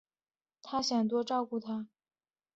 她想多照顾她